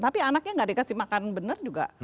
tapi anaknya nggak dikasih makan benar juga